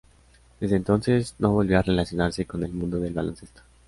Desde entonces no volvió a relacionarse con el mundo del baloncesto.